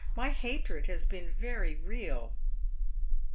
"My hatred has been very real."